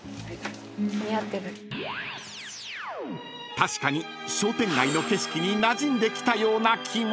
［確かに商店街の景色になじんできたような気も］